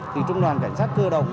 thì trung đoàn cảnh sát cơ động